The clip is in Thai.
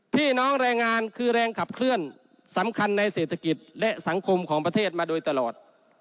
พี่น้องแรงงานคือแรงขับเคลื่อนสำคัญในเศรษฐกิจและสังคมของประเทศมาโดยตลอด